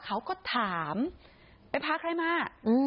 เขาก็ถามไปพาใครมา